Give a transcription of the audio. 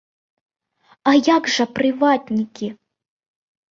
А як жа прыватнікі?